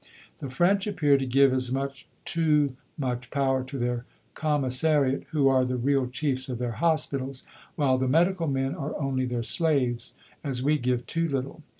The French appear to give as much too much power to their Commissariat, who are the real chiefs of their Hospitals, while the Medical Men are only their slaves, as we give too little.